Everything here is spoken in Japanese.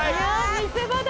見せ場だ。